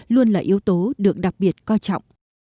luôn là yếu tố được đặc biệt coi trọng